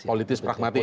politik pragmatis ya